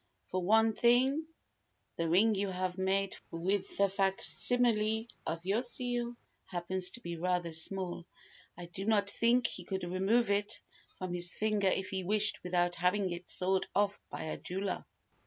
For one thing, the ring you had made for him with the facsimile of your seal happens to be rather small. I do not think he could remove it from his finger if he wished without having it sawed off by a jeweller."